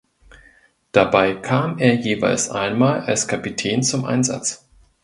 Dabei kam er jeweils einmal als Kapitän zum Einsatz.